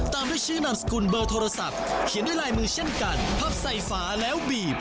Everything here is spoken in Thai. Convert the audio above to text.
ตามด้วยชื่อนามสกุลเบอร์โทรศัพท์เขียนด้วยลายมือเช่นกันพับใส่ฝาแล้วบีบ